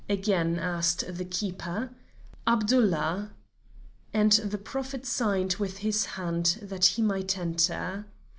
again asked the keeper. 'Abdullah.' "And the prophet signed with his hand that he might enter.